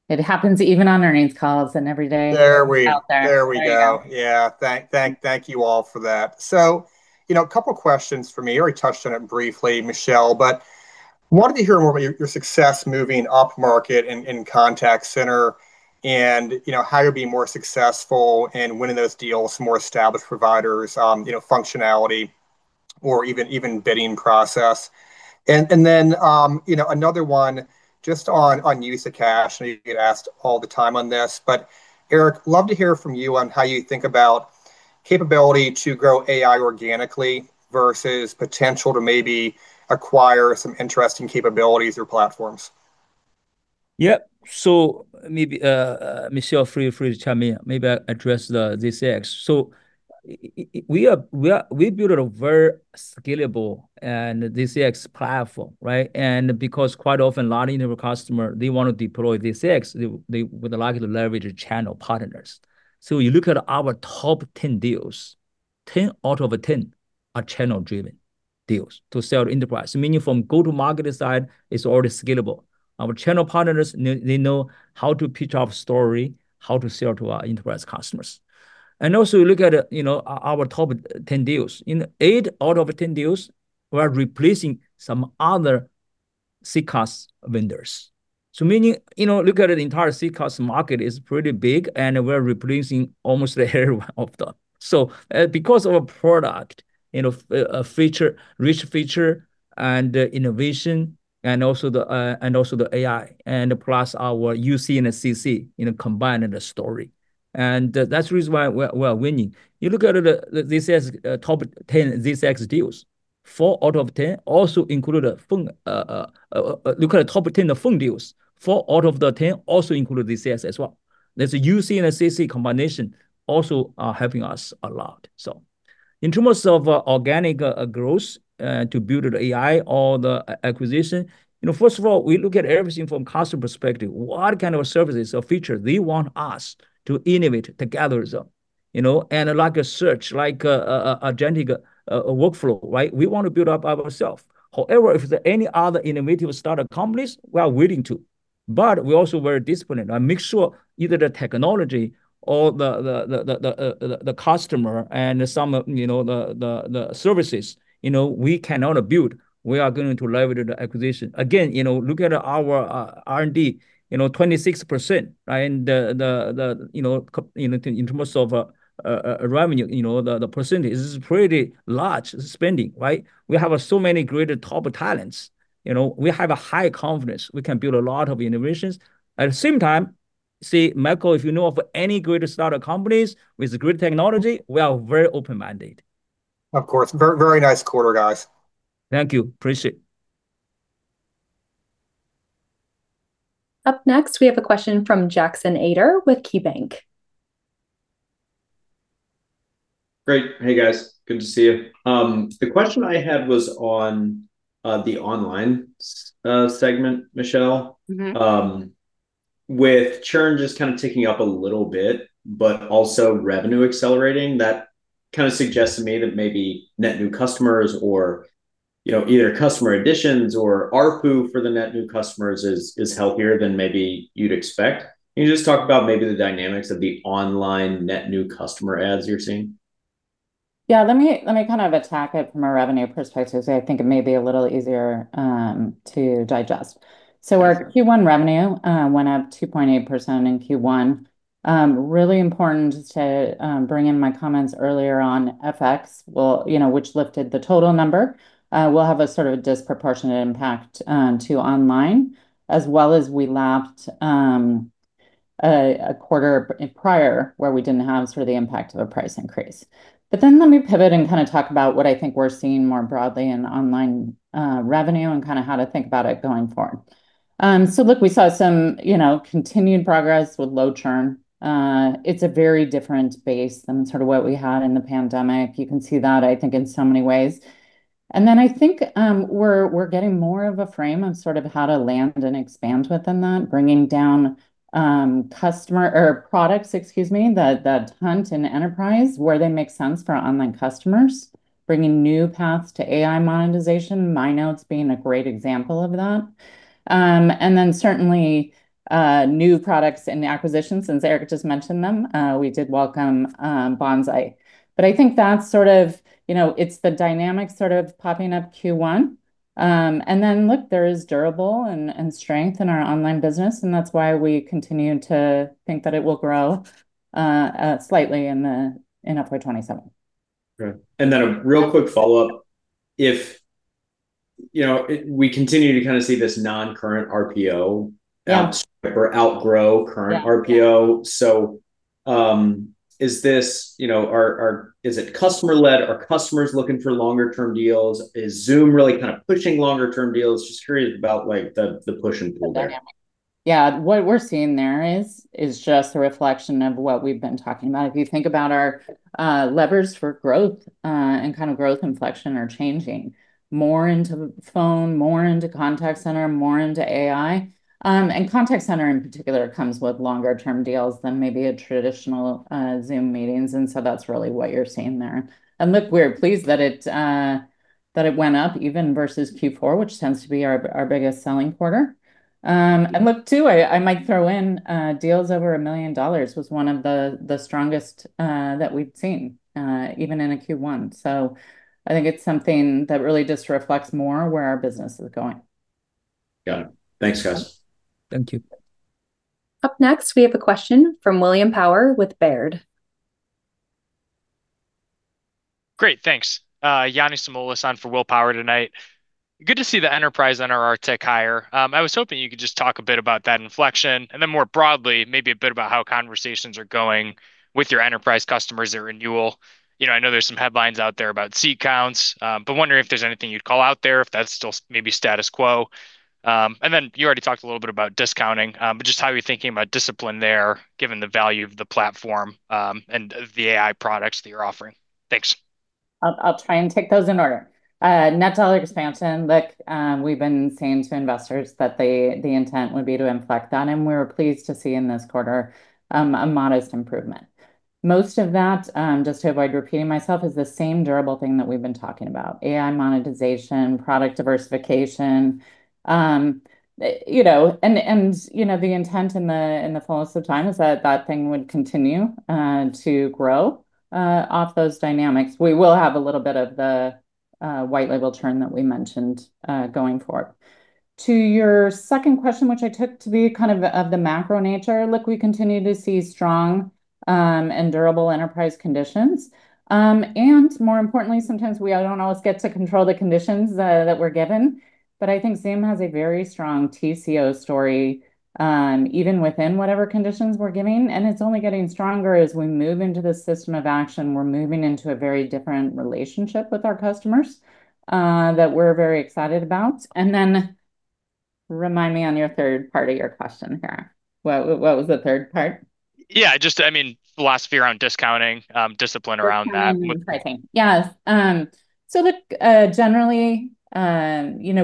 It happens even on earnings calls and every day. There we- out there. There you go There we go. Thank you all for that. A couple questions for me. You already touched on it briefly, Michelle Chang, but wanted to hear more about your success moving up market in Zoom contact center and how you're being more successful in winning those deals, more established providers, functionality or even bidding process. Another one just on use of cash. I know you get asked all the time on this, but Eric Yuan, love to hear from you on how you think about capability to grow AI organically versus potential to maybe acquire some interesting capabilities or platforms. Yeah. Maybe, Michelle, feel free to chime in, maybe address the CX. We built a very scalable CX platform, right? Because quite often a lot of customer, they want to deploy CX, they would like to leverage the channel partners. You look at our top 10 deals, 10 out of 10 are channel-driven deals to sell enterprise, meaning from go-to-market side, it's already scalable. Our channel partners, they know how to pitch our story, how to sell to our enterprise customers. Also look at our top 10 deals. In eight out of 10 deals, we are replacing some other CCaaS vendors. Look at the entire CCaaS market is pretty big, and we're replacing almost every one of them. Because of our product, rich feature and innovation, and also the AI, plus our UC and CC combined in a story. That's the reason why we're winning. You look at the top 10 ZCX deals, four out of 10 also include a phone. Look at the top 10 of phone deals, four out of the 10 also include ZCC as well. There's a UC and a ZCC combination also helping us a lot. In terms of organic growth, to build an AI or the acquisition, first of all, we look at everything from customer perspective. What kind of services or features they want us to innovate together with them? Like a search, like a generative workflow, right? We want to build up ourself. If there are any other innovative startup companies, we are willing to. We're also very disciplined, and make sure either the technology or the customer and some of the services we cannot build, we are going to leverage the acquisition. Again, look at our R&D, 26%, right, in terms of revenue, the percentage. This is pretty large spending, right? We have so many great top talents. We have a high confidence we can build a lot of innovations. At the same time, see, Michael, if you know of any great startup companies with great technology, we are very open-minded. Of course. Very nice quarter, guys. Thank you. Appreciate it. Up next, we have a question from Jackson Ader with KeyBanc. Great. Hey, guys. Good to see you. The question I had was on the online segment, Michelle. With churn just kind of ticking up a little bit, but also revenue accelerating, that kind of suggests to me that maybe net new customers or either customer additions or ARPU for the net new customers is healthier than maybe you'd expect. Can you just talk about maybe the dynamics of the online net new customer adds you're seeing? Yeah. Let me kind of attack it from a revenue perspective, because I think it may be a little easier to digest. Our Q1 revenue went up 2.8% in Q1. Really important to bring in my comments earlier on FX, which lifted the total number, will have a sort of disproportionate impact to online, as well as we lapped a quarter prior where we didn't have sort of the impact of a price increase. Let me pivot and kind of talk about what I think we're seeing more broadly in online revenue, and kind of how to think about it going forward. Look, we saw some continued progress with low churn. It's a very different base than sort of what we had in the pandemic. You can see that, I think, in so many ways. Then I think we're getting more of a frame of sort of how to land and expand within that, bringing down customer or products, excuse me, the hunt and enterprise, where they make sense for our online customers, bringing new paths to AI monetization, My Notes being a great example of that. Certainly, new products and acquisitions, since Eric just mentioned them. We did welcome Bonsai. I think it's the dynamic sort of popping up Q1. Look, there is durable and strength in our online business, and that's why we continue to think that it will grow slightly in FY 2027. Great. Then a real quick follow-up. If we continue to kind of see this non-current RPO- Yeah outgrow current RPO. Yeah. Is it customer led? Are customers looking for longer term deals? Is Zoom really kind of pushing longer term deals? Just curious about the push and pull there. The dynamic. Yeah. What we're seeing there is just a reflection of what we've been talking about. If you think about our levers for growth and kind of growth inflection are changing more into phone, more into contact center, more into AI. contact center in particular comes with longer term deals than maybe a traditional Zoom Meetings, and so that's really what you're seeing there. Look, we're pleased that it went up even versus Q4, which tends to be our biggest selling quarter. Look too, I might throw in deals over $1 million was one of the strongest that we've seen, even in a Q1. I think it's something that really just reflects more where our business is going. Got it. Thanks, guys. Thank you. Up next, we have a question from William Power with Baird. Great, thanks. Yanni Samoilis on for Will Power tonight. Good to see the enterprise NRR tick higher. I was hoping you could just talk a bit about that inflection, and then more broadly, maybe a bit about how conversations are going with your enterprise customers, their renewal. I know there's some headlines out there about seat counts, but wondering if there's anything you'd call out there, if that's still maybe status quo. You already talked a little bit about discounting. Just how you're thinking about discipline there, given the value of the platform, and the AI products that you're offering. Thanks. I'll try and take those in order. Net dollar expansion, look, we've been saying to investors that the intent would be to inflect on, we were pleased to see in this quarter a modest improvement. Most of that, just to avoid repeating myself, is the same durable thing that we've been talking about, AI monetization, product diversification. The intent in the fullness of time is that that thing would continue to grow off those dynamics. We will have a little bit of the white label churn that we mentioned going forward. To your second question, which I took to be kind of the macro nature, look, we continue to see strong and durable enterprise conditions. More importantly, sometimes we don't always get to control the conditions that we're given, but I think Zoom has a very strong TCO story. Even within whatever conditions we're given, and it's only getting stronger as we move into this system of action. We're moving into a very different relationship with our customers that we're very excited about. Then remind me on your third part of your question here. What was the third part? Yeah, just philosophy around discounting, discipline around that. Discounting and pricing. Yes. Look, generally,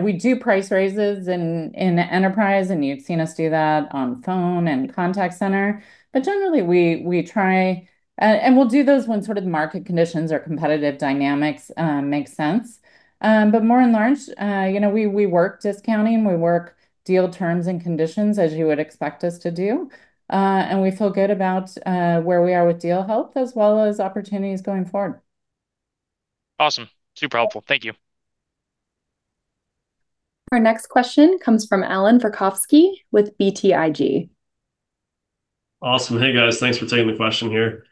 we do price raises in the enterprise, and you've seen us do that on phone and contact center. Generally, we try, and we'll do those when sort of market conditions or competitive dynamics make sense. More and large, we work discounting, we work deal terms and conditions as you would expect us to do. We feel good about where we are with deal health as well as opportunities going forward. Awesome. Super helpful. Thank you. Our next question comes from Allan Verkhovski with BTIG. Awesome. Hey, guys. Thanks for taking the question here.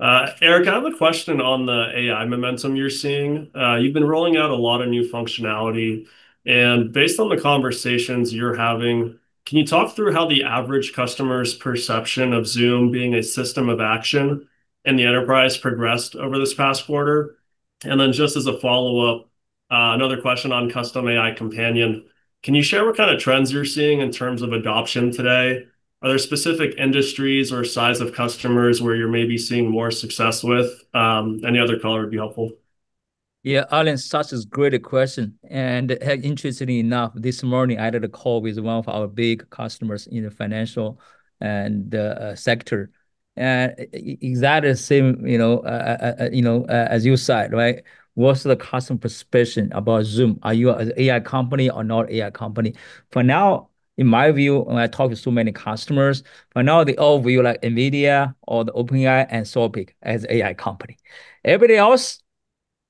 Eric, I have a question on the AI momentum you're seeing. You've been rolling out a lot of new functionality, and based on the conversations you're having, can you talk through how the average customer's perception of Zoom being a system of action in the enterprise progressed over this past quarter? Just as a follow-up, another question on Custom AI Companion. Can you share what kind of trends you're seeing in terms of adoption today? Are there specific industries or size of customers where you're maybe seeing more success with? Any other color would be helpful. Yeah, Allan, such a great question. Interestingly enough, this morning, I had a call with one of our big customers in the financial sector. Exactly same as you said, right? What's the customer perception about Zoom? Are you an AI company or not AI company? For now, in my view, and I talk to so many customers, for now they all view like NVIDIA or the OpenAI and Zoom as AI company. Everybody else,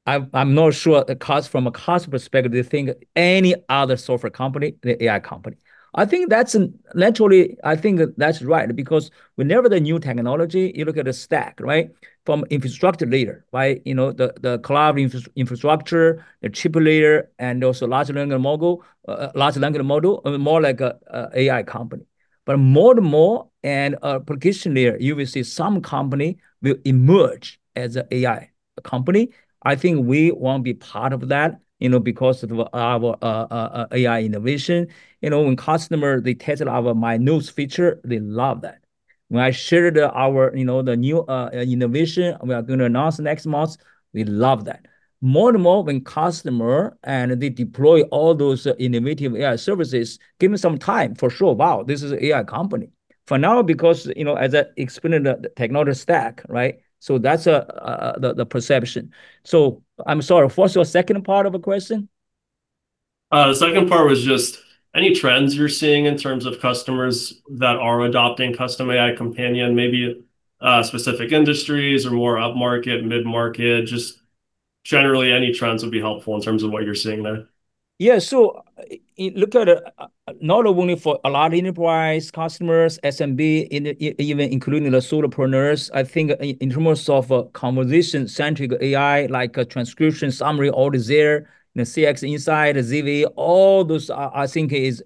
I'm not sure, because from a cost perspective, they think any other software company, they AI company. I think that's naturally, I think that's right, because whenever the new technology, you look at the stack, right? From infrastructure layer, right? The cloud infrastructure, the chip layer, and also large language model are more like a AI company. More to more, and application layer, you will see some company will emerge as a AI company. I think we want to be part of that because of our AI innovation. When customer, they tested our My Notes feature, they love that. When I shared our the new innovation we are going to announce next month, we love that. More and more when customer and they deploy all those innovative AI services, give me some time, for sure, wow, this is AI company. For now because as I explained the technology stack, right? That's the perception. I'm sorry, what's your second part of the question? The second part was just any trends you're seeing in terms of customers that are adopting Custom AI Companion, maybe specific industries or more upmarket, mid-market, just generally any trends would be helpful in terms of what you're seeing there. Look at not only for a lot enterprise customers, SMB, even including the solopreneurs, I think in terms of conversation-centric AI, like a transcription summary, all is there, the CX Insights, the ZVA, all those I think is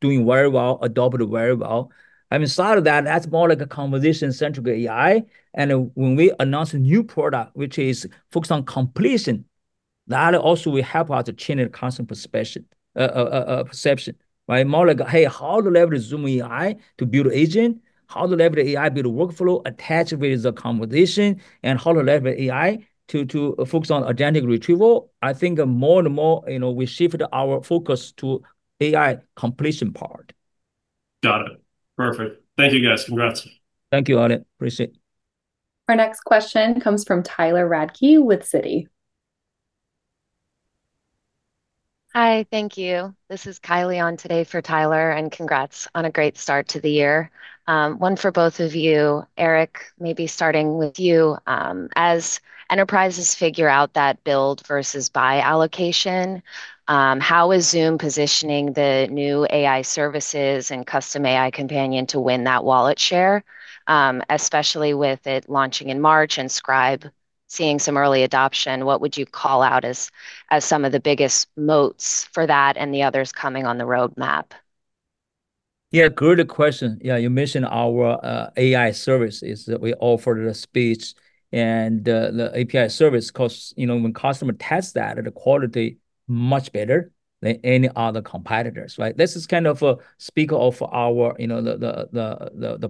doing very well, adopted very well. Inside of that's more like a conversation-centric AI. When we announce a new product, which is focused on completion, that also will help us to change the customer perception. More like, hey, how to leverage Zoom AI to build agent, how to leverage AI build a workflow attached with the conversation, How to leverage AI to focus on agent retrieval. I think more and more, we shift our focus to AI completion part. Got it. Perfect. Thank you, guys. Congrats. Thank you, Allan. Appreciate it. Our next question comes from Tyler Radke with Citi. Hi, thank you. This is Kylie on today for Tyler, and congrats on a great start to the year. One for both of you. Eric, maybe starting with you. As enterprises figure out that build versus buy allocation, how is Zoom positioning the new AI Services and Custom AI Companion to win that wallet share? Especially with it launching in March and Scribe seeing some early adoption, what would you call out as some of the biggest moats for that and the others coming on the roadmap? Good question. You mentioned our AI Services that we offer the speech and the API Service, because when customer tests that, the quality much better than any other competitors, right? This is kind of a speak of our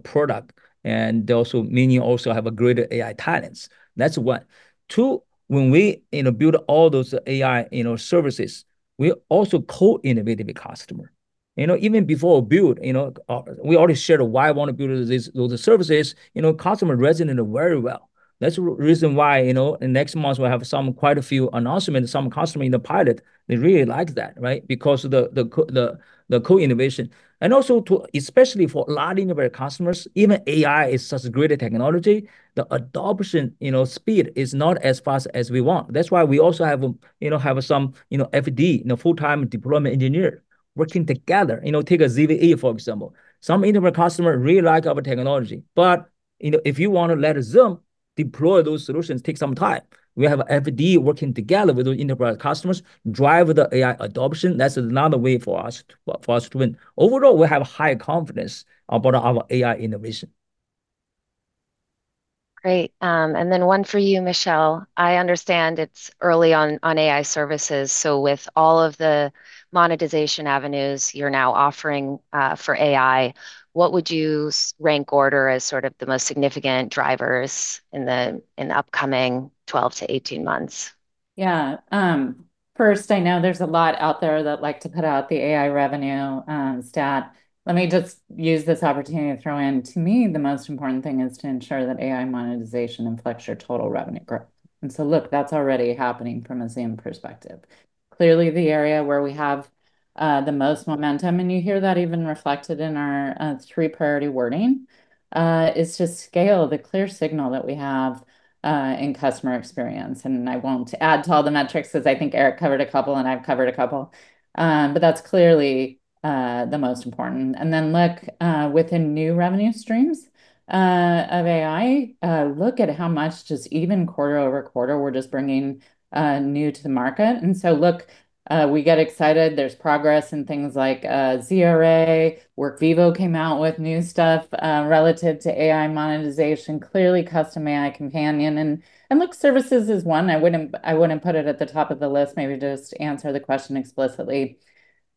product, they also have a great AI talents. That's one. Two, when we build all those AI Services, we also co-innovative with customer. Even before build, we already shared why want to build those services, customer resonate very well. That's the reason why next month we'll have quite a few announcement, some customer in the pilot, they really like that, right? Because the co-innovation. Also, especially for a lot of enterprise customers, even AI is such a great technology, the adoption speed is not as fast as we want. That's why we also have some FDE, full-time deployment engineer working together. Take a ZVA, for example. Some enterprise customer really like our technology. If you want to let Zoom-Deploy those solutions take some time. We have FDE working together with those enterprise customers, drive the AI adoption. That's another way for us to win. Overall, we have high confidence about our AI innovation. Great. One for you, Michelle. I understand it's early on AI Services, so with all of the monetization avenues you're now offering for AI, what would you rank order as sort of the most significant drivers in the upcoming 12-18 months? First, I know there's a lot out there that like to put out the AI revenue stat. Let me just use this opportunity to throw in, to me, the most important thing is to ensure that AI monetization impacts your total revenue growth. Look, that's already happening from a Zoom perspective. Clearly, the area where we have the most momentum, and you hear that even reflected in our three priority wording, is to scale the clear signal that we have in customer experience. I won't add to all the metrics, as I think Eric covered a couple and I've covered a couple. That's clearly the most important. Then look, within new revenue streams of AI, look at how much just even quarter-over-quarter we're just bringing new to the market. Look, we get excited. There's progress in things like ZRA. Workvivo came out with new stuff relative to AI monetization. Clearly Custom AI Companion and look, services is one. I wouldn't put it at the top of the list, maybe just answer the question explicitly.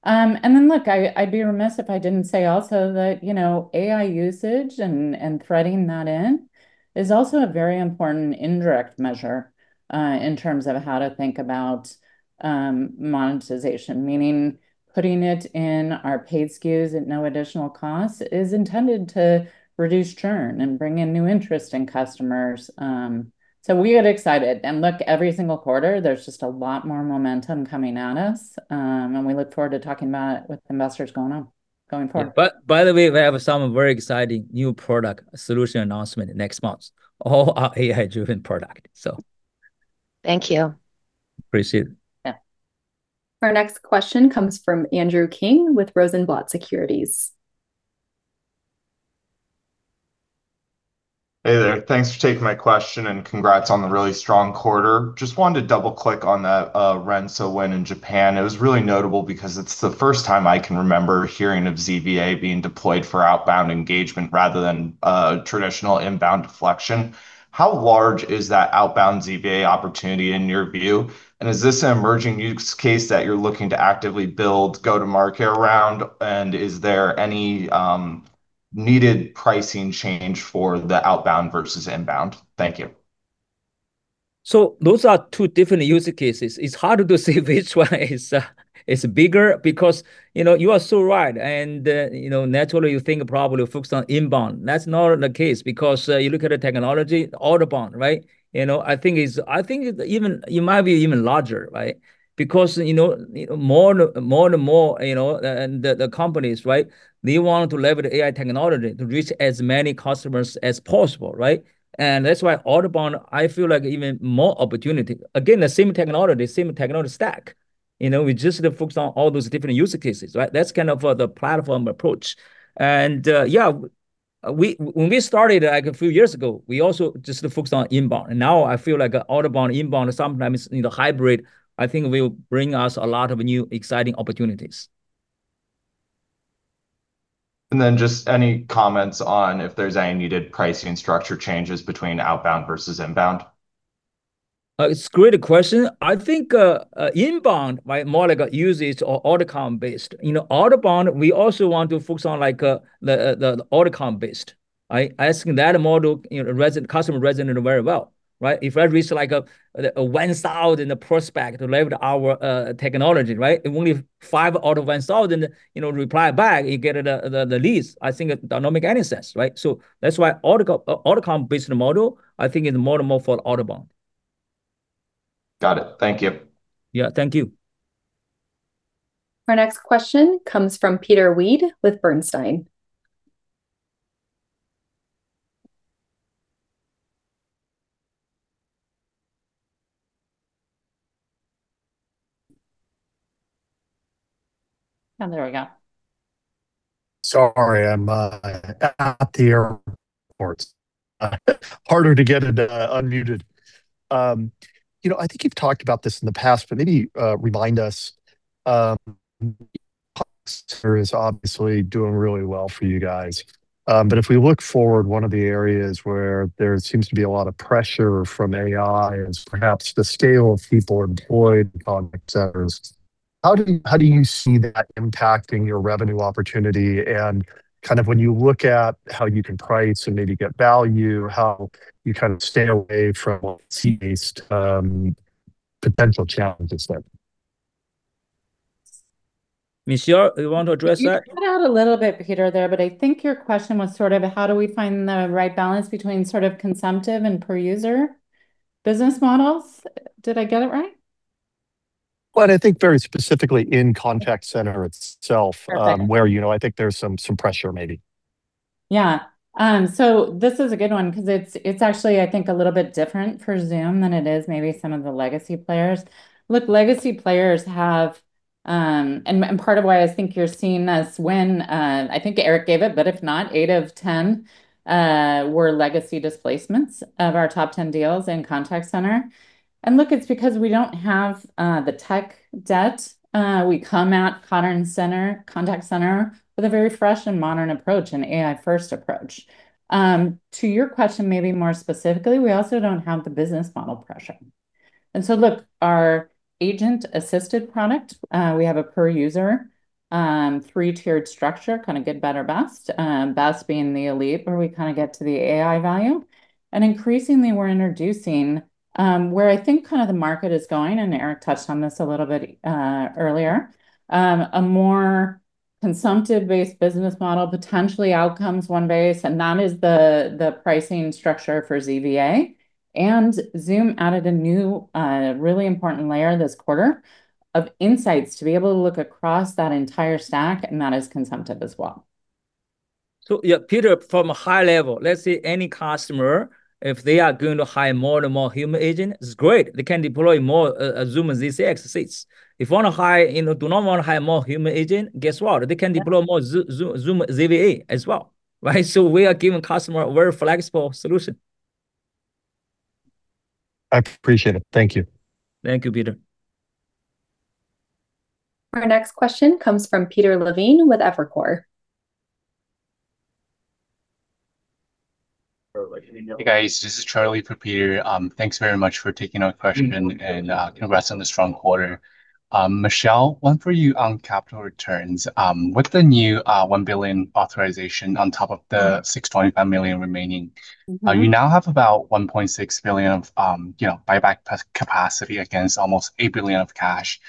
Then look, I'd be remiss if I didn't say also that AI usage and threading that in is also a very important indirect measure, in terms of how to think about monetization. Meaning putting it in our paid SKUs at no additional cost is intended to reduce churn and bring in new interest in customers. We get excited and look every single quarter, there's just a lot more momentum coming at us. We look forward to talking about it with investors going forward. By the way, we have some very exciting new product solution announcement next month, all our AI-driven product. Thank you. Appreciate it. Yeah. Our next question comes from Andrew King with Rosenblatt Securities. Hey there. Thanks for taking my question and congrats on the really strong quarter. Just wanted to double-click on that Resona win in Japan. It was really notable because it's the first time I can remember hearing of ZVA being deployed for outbound engagement rather than traditional inbound deflection. How large is that outbound ZVA opportunity in your view? Is this an emerging use case that you're looking to actively build go-to-market around, and is there any needed pricing change for the outbound versus inbound? Thank you. Those are two different use cases. It's hard to say which one is bigger because you are so right, and naturally, you think probably we focus on inbound. That's not the case because you look at the technology, outbound, right? I think it might be even larger, right? Because more and more, the companies, they want to leverage AI technology to reach as many customers as possible, right? That's why outbound, I feel like even more opportunity. Again, the same technology stack. We just focus on all those different use cases, right? That's kind of the platform approach. Yeah, when we started a few years ago, we also just focused on inbound, and now I feel like outbound, inbound, sometimes hybrid, I think will bring us a lot of new, exciting opportunities. Just any comments on if there's any needed pricing structure changes between outbound versus inbound? It's a great question. I think inbound might more like use it outcome-based. Outbound, we also want to focus on the outcome-based, right? Asking that model, customer resonate very well, right? If I reach 1,000 prospect to leverage our technology, right? If only five out of 1,000 reply back, you get the least, I think that don't make any sense, right? That's why outcome-based model, I think is more for outbound. Got it. Thank you. Yeah. Thank you. Our next question comes from Peter Weed with Bernstein. There we go. Sorry, I'm out here. Harder to get unmuted. I think you've talked about this in the past, but maybe remind us, is obviously doing really well for you guys. If we look forward, one of the areas where there seems to be a lot of pressure from AI is perhaps the scale of people employed in contact centers. How do you see that impacting your revenue opportunity and kind of when you look at how you can price and maybe get value, how you kind of stay away from fee-based potential challenges there? Michelle, you want to address that? You cut out a little bit, Peter, there, but I think your question was sort of how do we find the right balance between sort of consumptive and per user business models. Did I get it right? Well, I think very specifically in contact center itself. Perfect where I think there's some pressure maybe. Yeah. This is a good one because it's actually, I think, a little bit different for Zoom than it is maybe some of the legacy players. Look, part of why I think you're seeing this when, I think Eric gave it, but if not, eight of 10 were legacy displacements of our top 10 deals in contact center. Look, it's because we don't have the tech debt. We come at contact center with a very fresh and modern approach, an AI-first approach. To your question maybe more specifically, we also don't have the business model pressure. Look, our agent-assisted product, we have a per user, three-tiered structure, kind of good, better, best. Best being the Elite, where we kind of get to the AI value. Increasingly we're introducing where I think the market is going, Eric touched on this a little bit earlier, a more consumptive-based business model, potentially outcomes-based, and that is the pricing structure for ZVA. Zoom added a new, really important layer this quarter of insights to be able to look across that entire stack, and that is consumptive as well. Yeah, Peter, from a high level, let's say any customer, if they are going to hire more and more human agent, it's great. They can deploy more Zoom ZCX seats. If do not want to hire more human agent, guess what? They can deploy more Zoom ZVA as well, right? We are giving customer a very flexible solution. I appreciate it. Thank you. Thank you, Peter. Our next question comes from Peter Levine with Evercore. Hey, guys. This is Charlie for Peter. Thanks very much for taking our question, and congrats on the strong quarter. Michelle, one for you on capital returns. With the new $1 billion authorization on top of the $625 million remaining, you now have about $1.6 billion of buyback capacity against almost $8 billion of cash.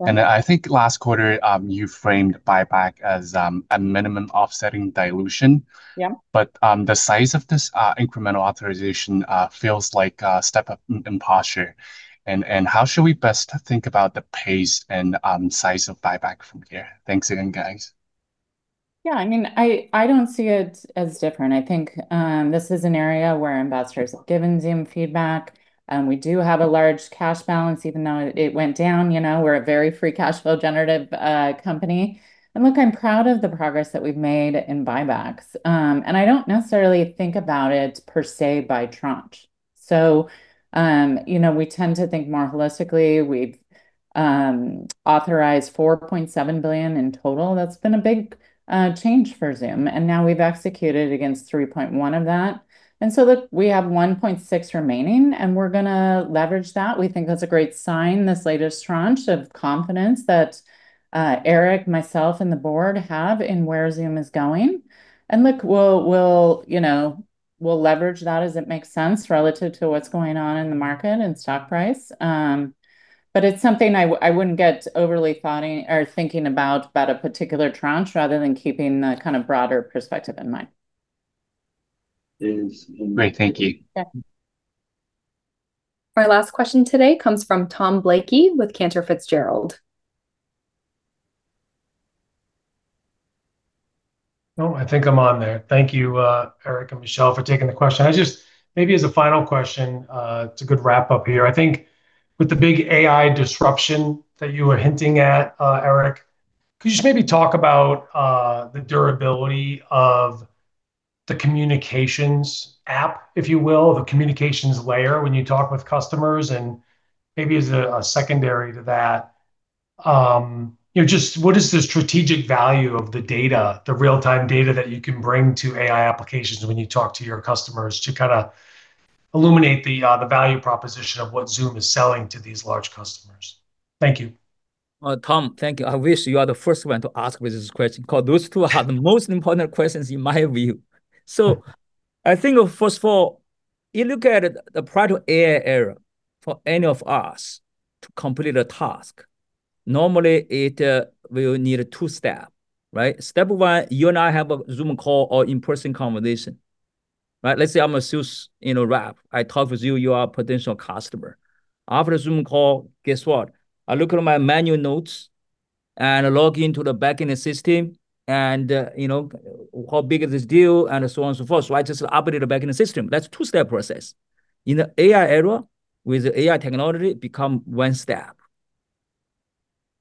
Wow. I think last quarter, you framed buyback as a minimum offsetting dilution. Yeah. The size of this incremental authorization feels like a step up in posture. How should we best think about the pace and size of buyback from here? Thanks again, guys. Yeah, I don't see it as different. I think this is an area where investors have given Zoom feedback. We do have a large cash balance, even though it went down. We're a very free cash flow generative company. Look, I'm proud of the progress that we've made in buybacks. I don't necessarily think about it per se by tranche. We tend to think more holistically. We've authorized $4.7 billion in total. That's been a big change for Zoom, now we've executed against $3.1 billion of that. Look, we have $1.6 billion remaining, we're going to leverage that. We think that's a great sign, this latest tranche of confidence that Eric, myself, and the board have in where Zoom is going. Look, we'll leverage that as it makes sense relative to what's going on in the market and stock price. It's something I wouldn't get overly thinking about a particular tranche rather than keeping the kind of broader perspective in mind. Great. Thank you. Yeah. Our last question today comes from Thomas Blakey with Cantor Fitzgerald. Oh, I think I'm on there. Thank you, Eric and Michelle, for taking the question. Maybe as a final question, it's a good wrap-up here. I think with the big AI disruption that you were hinting at, Eric, could you just maybe talk about the durability of the communications app, if you will, the communications layer when you talk with customers? Maybe as a secondary to that, just what is the strategic value of the data, the real-time data that you can bring to AI applications when you talk to your customers to kind of illuminate the value proposition of what Zoom is selling to these large customers? Thank you. Tom, thank you. I wish you are the first one to ask me this question because those two are the most important questions in my view. I think first of all, you look at the prior to AI era, for any of us to complete a task, normally it will need two-step, right? Step one, you and I have a Zoom call or in-person conversation, right? Let's say I'm a sales rep. I talk with you. You are a potential customer. After the Zoom call, guess what? I look at my manual notes and log into the back-end system and how big is this deal, and so on and so forth. I just update it back in the system. That's two-step process. In the AI era, with the AI technology, it become one step.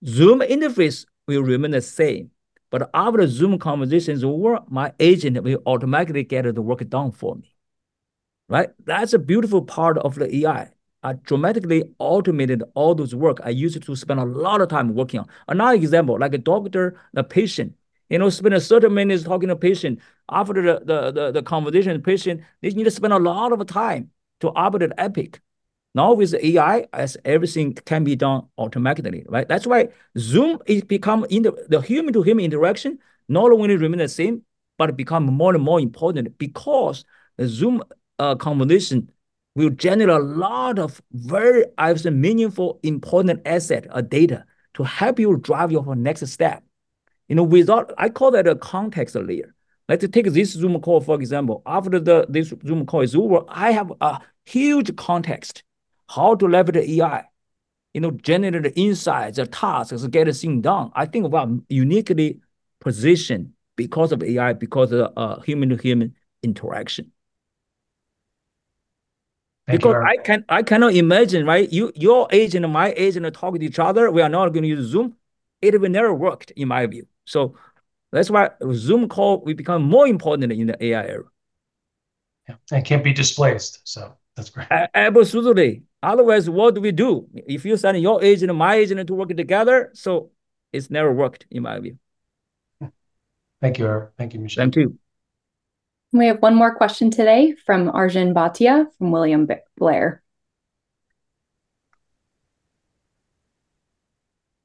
Zoom interface will remain the same, but after Zoom conversation is over, my agent will automatically get the work done for me, right? That's a beautiful part of the AI. I dramatically automated all those work I used to spend a lot of time working on. Another example, like a doctor and a patient. Spend a certain minutes talking to a patient. After the conversation with the patient, they need to spend a lot of time to update Epic. Now with the AI, everything can be done automatically, right? That's why Zoom is become the human to human interaction not only remain the same, but become more and more important because the Zoom conversation will generate a lot of very, I would say, meaningful, important asset or data to help you drive your next step. I call that a context layer. Let's take this Zoom call, for example. After this Zoom call is over, I have a huge context how to leverage the AI, generate the insights, the tasks, get this thing done. I think we are uniquely positioned because of AI, because of human to human interaction. I cannot imagine, right? Your agent and my agent are talking to each other, we are not going to use Zoom. It would never work, in my view. That's why Zoom call will become more important in the AI era. Yeah. Can't be displaced, so that's great. Absolutely. Otherwise, what do we do? If you're sending your agent and my agent to work together, it's never worked, in my view. Yeah. Thank you, Eric. Thank you, Michelle. Thank you. We have one more question today from Arjun Bhatia from William Blair.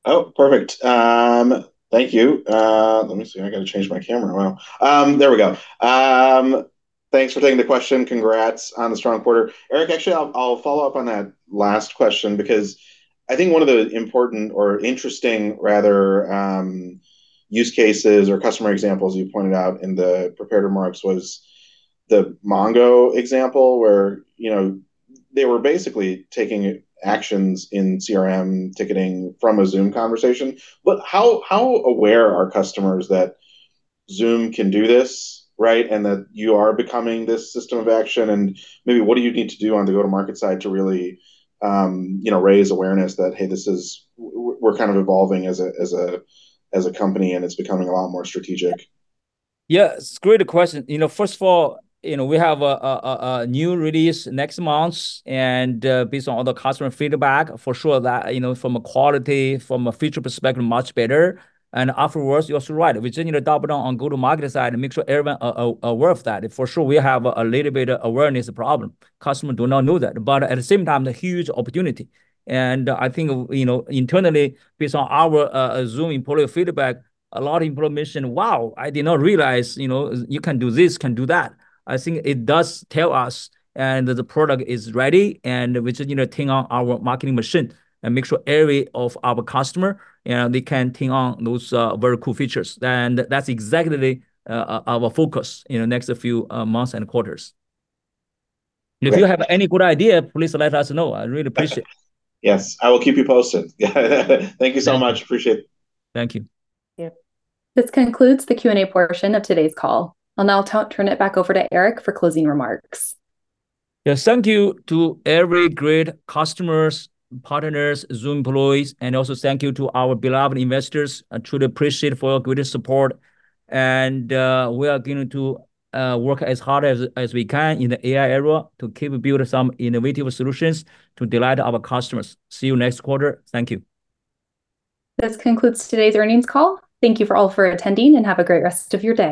Oh, perfect. Thank you. Let me see. I got to change my camera. Wow. There we go. Thanks for taking the question. Congrats on the strong quarter. Eric, actually, I'll follow up on that last question because I think one of the important or interesting rather use cases or customer examples you pointed out in the prepared remarks was the MongoDB example, where they were basically taking actions in CRM ticketing from a Zoom conversation. How aware are customers that Zoom can do this, right, and that you are becoming this system of action? Maybe what do you need to do on the go-to-market side to really raise awareness that, hey, we're kind of evolving as a company, and it's becoming a lot more strategic? Yeah, it's a great question. First of all, we have a new release next month, and based on all the customer feedback, for sure that from a quality, from a feature perspective, much better. Afterwards, you're also right. We just need to double down on go-to-market side and make sure everyone are aware of that. For sure, we have a little bit of awareness problem. Customer do not know that, but at the same time, the huge opportunity, and I think internally, based on our Zoom employee feedback, a lot of people mention, "Wow, I did not realize you can do this, can do that." I think it does tell us, and the product is ready, and we just need to turn on our marketing machine and make sure every of our customer, they can turn on those very cool features. That's exactly our focus in the next few months and quarters. Great. If you have any good idea, please let us know. I really appreciate. Yes. I will keep you posted. Thank you so much. Appreciate it. Thank you. Yeah. This concludes the Q&A portion of today's call. I'll now turn it back over to Eric for closing remarks. Yes, thank you to every great customers, partners, Zoom employees, and also thank you to our beloved investors. I truly appreciate for your good support. We are going to work as hard as we can in the AI era to keep build some innovative solutions to delight our customers. See you next quarter. Thank you. This concludes today's earnings call. Thank you all for attending, and have a great rest of your day.